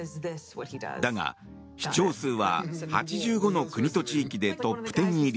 だが、視聴数は８５の国と地域でトップ１０入り。